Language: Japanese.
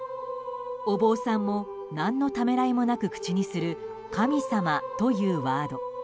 お坊さんも何のためらいもなく口にする神様というワード。